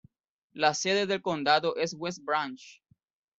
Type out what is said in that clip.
La sede del condado es West Branch.